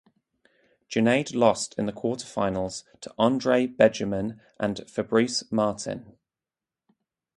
Junaid lost in the quarterfinals to Andre Begemann and Fabrice Martin.